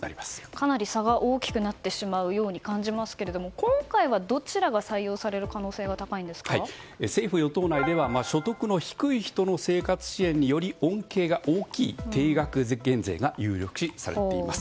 かなり差が大きくなってしまうように感じますが今回はどちらが採用される可能性が政府・与党内では所得の低い人の生活支援により恩恵が大きい定額減税が有力視されています。